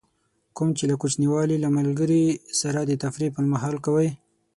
کوم چې له کوچنیوالي له ملګري سره د تفریح پر مهال کوئ.